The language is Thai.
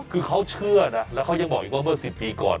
คือเขาเชื่อนะแล้วเขายังบอกอีกว่าเมื่อ๑๐ปีก่อน